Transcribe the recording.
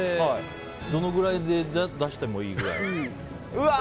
どのくらいで出してもいいくらい？